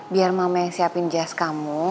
biar mama yang siapin jazz kamu